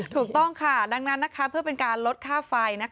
ถูกต้องค่ะดังนั้นเพื่อเป็นการลดค่าไฟ